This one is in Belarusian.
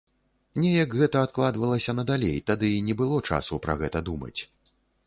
Неяк гэта адкладвалася надалей, тады не было часу пра гэта думаць.